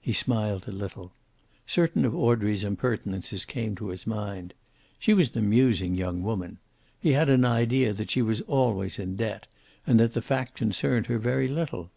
He smiled a little. Certain of Audrey's impertinences came to his mind. She was an amusing young woman. He had an idea that she was always in debt, and that the fact concerned her very little.